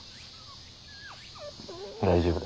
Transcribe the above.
大丈夫だ。